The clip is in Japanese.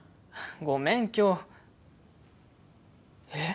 ごめん今日えっ？